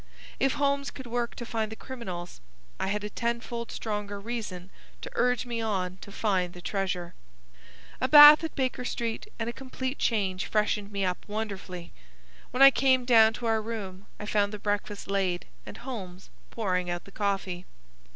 If Holmes could work to find the criminals, I had a tenfold stronger reason to urge me on to find the treasure. A bath at Baker Street and a complete change freshened me up wonderfully. When I came down to our room I found the breakfast laid and Homes pouring out the coffee.